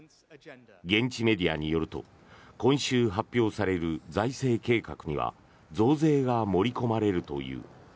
現地メディアによると今週発表される財政計画には増税が盛り込まれるという。